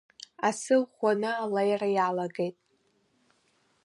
Асы ӷәӷәаны алеира иалагеит.